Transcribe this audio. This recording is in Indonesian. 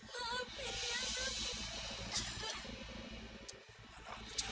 kau bisa mencimalah dia